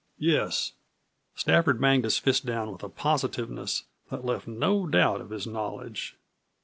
"Yes." Stafford banged his fist down with a positiveness that left no doubt of his knowledge.